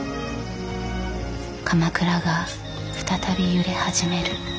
鎌倉が再び揺れ始める。